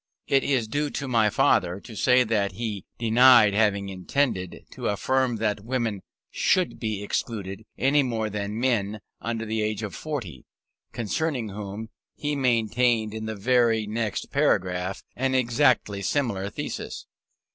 It is due to my father to say that he denied having intended to affirm that women should be excluded, any more than men under the age of forty, concerning whom he maintained in the very next paragraph an exactly similar thesis.